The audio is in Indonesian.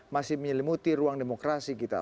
masih menyelimuti ruang demokrasi kita